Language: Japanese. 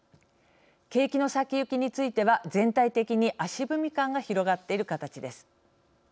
景気の先行きについては全体的に足踏み感が広がっている形です。